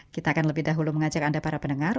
kita akan lebih dahulu mengajak anda para pendengar